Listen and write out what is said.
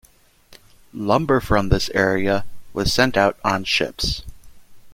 Lumber from this area was sent out on ships.